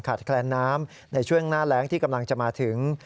แคลนน้ำในช่วงหน้าแรงที่กำลังจะมาถึง